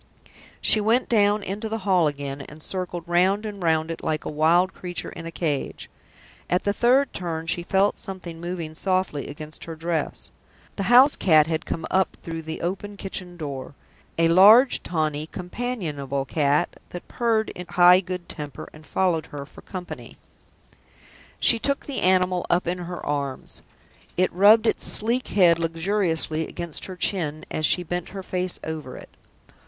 She went down into the hall again, and circled round and round it like a wild creature in a cage. At the third turn, she felt something moving softly against her dress. The house cat had come up through the open kitchen door a large, tawny, companionable cat that purred in high good temper, and followed her for company. She took the animal up in her arms it rubbed its sleek head luxuriously against her chin as she bent her face over it.